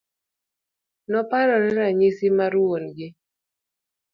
Noparone ranyisi mar wuon gi.